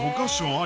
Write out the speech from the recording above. あり